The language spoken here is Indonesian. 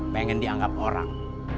pengen dianggap orang